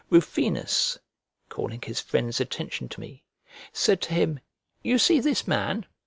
Rufinus, calling his friend's attention to me, said to him, "You see this man?"